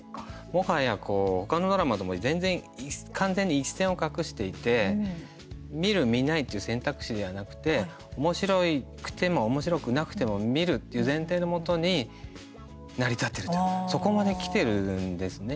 もはや他のドラマとも全然完全に一線を画していて見る、見ないという選択肢ではなくておもしろくてもおもしろくなくても見るという前提のもとに成り立っているとそこまできてるんですね。